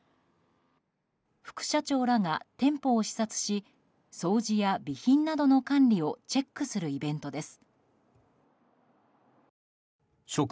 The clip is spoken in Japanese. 副社長らが店舗を視察し掃除や備品などの管理をチェックするイベントです。